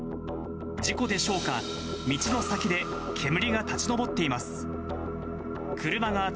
事故でしょうか、道の先で煙が立ち上っています。